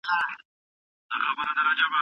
ښوونکي وویل چي اخلاص ضروري دی.